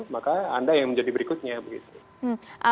maka anda yang menjadi berikutnya begitu